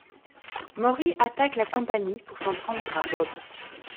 Maury attaque la Compagnie pour s'en prendre à Bob.